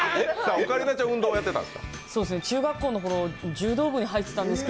オカリナちゃん、運動やってたんですか。